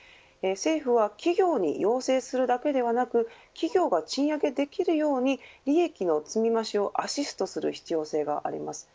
政府は企業に要請するだけではなく企業が賃上げできるように利益の積み増しをアシストする必要性があります。